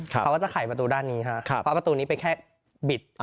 เขาก็จะไขประตูด้านนี้ครับเพราะประตูนี้ไปแค่บิด